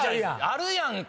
あるやんか！